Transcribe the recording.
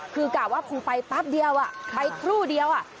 คือกะว่าคุณไปปั๊บเดียวอ่ะไปครู่เดียวอ่ะ